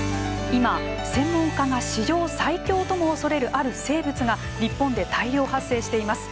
今、専門家が史上最強とも恐れるある生物が日本で大量発生しています。